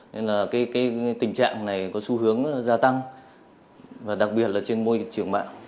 nên là tình trạng này có xu hướng gia tăng đặc biệt là trên môi trường mạng